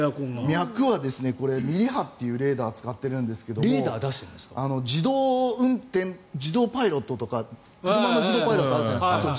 脈は、ミリ波というレーダーを使ってるんですが車の自動パイロットとかあるじゃないですか。